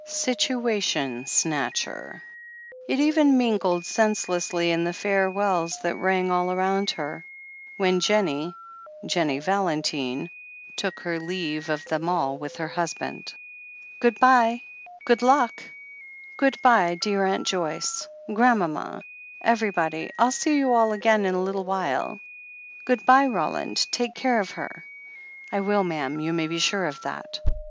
"Situation snatcher." It even mingled senselessly in the farewells that rang all round her, when Jennie — ^Jennie Valentine — ^took her leave of them all with her husband. 48o THE HEEL OF ACHILLES "Good bye — good luck !" "Good bye, dear Aunt Joyce — Grandmama — every body — ril see you all again in a little while " "Good bye, Roland. Take care of her." "I will, ma'am — ^you may be sure of that."